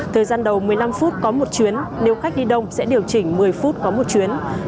thời gian đầu một mươi năm phút có một chuyến nếu khách đi đông sẽ điều chỉnh một mươi phút có một chuyến